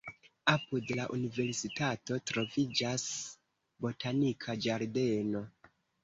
Apud la universitato troviĝas botanika ĝardeno.